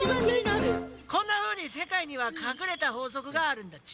こんなふうに世界にはかくれた法則があるんだっち。